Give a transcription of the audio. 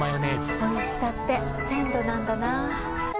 おいしさって鮮度なんだな。